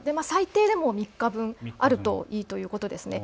最低でも３日分あるといいということです。